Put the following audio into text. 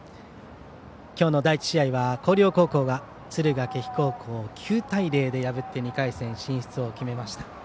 今日の第１試合は広陵高校が敦賀気比高校を９対０で破って２回戦進出を決めました。